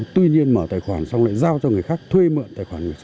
tuy nhiên mở tài khoản xong lại giao cho người khác thuê mượn tài khoản